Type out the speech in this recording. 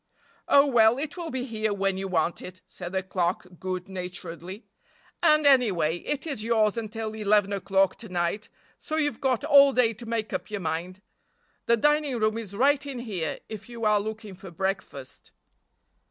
"Oh, well, it will be here when you want it," said the clerk good naturedly, "and, anyway, it is yours until eleven o'clock to night, so you've got all day to make up your mind. The dining room is right in here, if you are looking for breakfast."